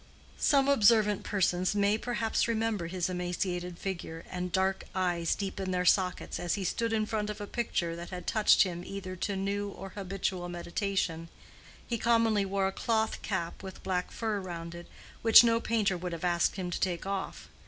Some observant persons may perhaps remember his emaciated figure, and dark eyes deep in their sockets, as he stood in front of a picture that had touched him either to new or habitual meditation: he commonly wore a cloth cap with black fur round it, which no painter would have asked him to take off.